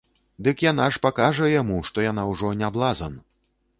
Дык яна ж пакажа яму, што яна ўжо не блазан.